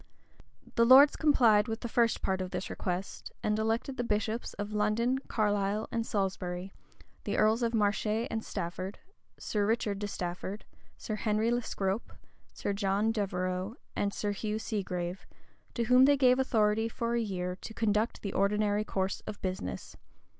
The lords complied with the first part of this request, and elected the bishops of London, Carlisle, and Salisbury, the earls of Marche and Stafford, Sir Richard de Stafford, Sir Henry le Scrope, Sir John Devereux, and Sir Hugh Segrave, to whom they gave authority for a year to conduct the ordinary course of business.